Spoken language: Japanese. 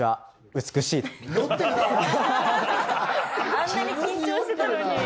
あんなに緊張してたのに。